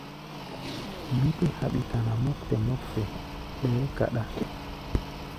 Mí tɛ́ haɓi kana mɔ́ktɛ mɔ́ktɛ, ɓɛɛ́ kaɗá.